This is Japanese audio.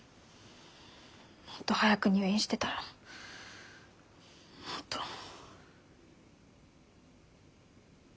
もっと早く入院してたらもっと。